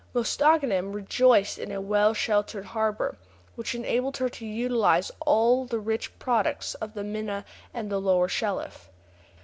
Mostaganem rejoiced in a well sheltered harbor, which enabled her to utilize all the rich products of the Mina and the Lower Shelif.